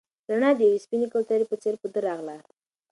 رڼا د یوې سپینې کوترې په څېر په ده راغله.